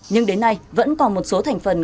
nhưng đến nay vẫn còn một số thành phần